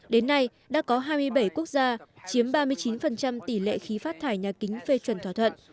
đến nay đã có hai mươi bảy quốc gia chiếm ba mươi chín tỷ lệ khí phát thải nhà kính phê chuẩn thỏa thuận